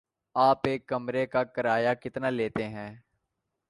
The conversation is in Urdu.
آپ ایک کمرے کا کرایہ کتنا لیتے ہیں؟